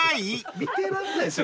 見てらんないですよ